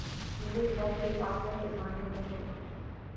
میرے لب پہ آ کر پیمانے نہ رونا